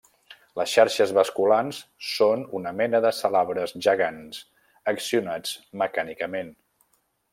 Les xarxes basculants són una mena de salabres gegants accionats mecànicament.